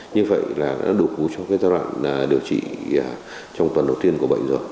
như vậy là nó đủ phú cho giai đoạn điều trị trong tuần đầu tiên của bệnh rồi